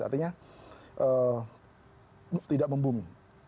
artinya tidak membumi